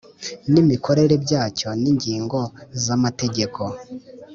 N imikorere byacyo n ingingo z amategeko